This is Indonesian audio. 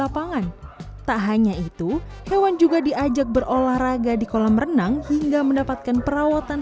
lapangan tak hanya itu hewan juga diajak berolahraga di kolam renang hingga mendapatkan perawatan